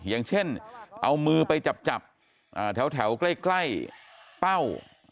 อย่างเช่นเอามือไปจับแถวใกล้เป้า